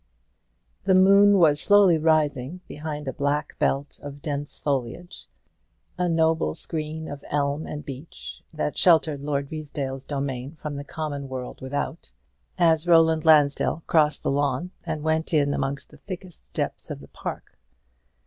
The moon was slowly rising behind a black belt of dense foliage, a noble screen of elm and beech that sheltered Lord Ruysdale's domain from the common world without, as Roland Lansdell crossed the lawn, and went in amongst the thickest depths of the park.